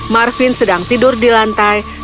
marvin sedang tidur di lantai